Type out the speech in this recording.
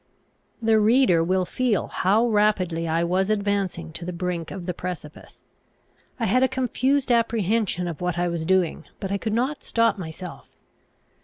The reader will feel how rapidly I was advancing to the brink of the precipice. I had a confused apprehension of what I was doing, but I could not stop myself.